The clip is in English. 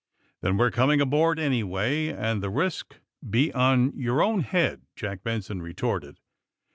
^^Then we're coming aboard, anyway, and the risk be on your own bead," Jack Benson re torted.